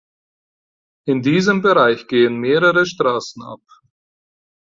In diesem Bereich gehen mehrere Straßen ab.